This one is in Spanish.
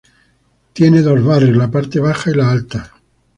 Tiene dos barrios, la parte baja y la alta.